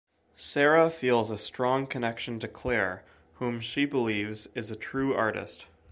Sarah feels a strong connection to Claire, whom she believes is a true artist.